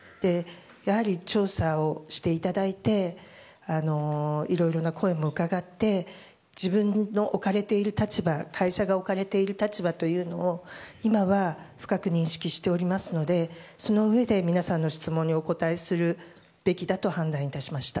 やはり、調査をしていただいていろいろな声も伺って自分の置かれている立場会社が置かれている立場を今は深く認識しておりますのでそのうえで皆さんの質問にお答えするべきだと判断いたしました。